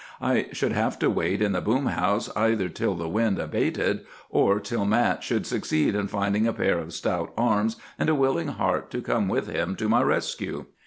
I should have to wait in the boom house either till the wind abated, or till Mat should succeed in finding a pair of stout arms and a willing heart to come with him to my rescue.